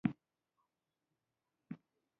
دا ستوری ښکلی ده